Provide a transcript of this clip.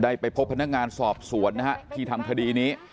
ได้ไปพบพนักงานสอบสวนที่ทำคดีนี้